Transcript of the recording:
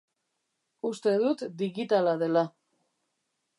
Uste dut digitala dela.